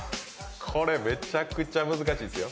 これめちゃくちゃ難しいですよ。